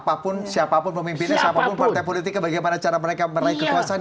siapapun siapapun pemimpinnya siapapun partai politiknya bagaimana cara mereka meraih kekuasaan